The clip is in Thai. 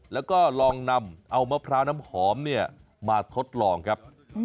แล้วก็ลองนำเอามะพร้าวน้ำหอมเนี่ยมาทดลองครับ